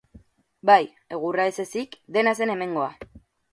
Bai, egurra ez ezik dena zen hemengoa.